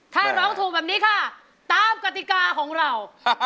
ถ้าร้องถูกแบบนี้ค่ะตามกติกาของเรา